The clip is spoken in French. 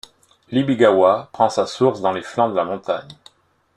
L'Ibi-gawa prend sa source dans les flancs de la montagne.